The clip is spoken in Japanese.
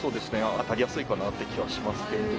当たりやすいかなっていう気はしますけれども。